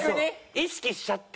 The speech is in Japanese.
意識しちゃって。